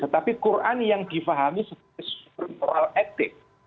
tetapi quran yang difahami sebagai sumber moral etik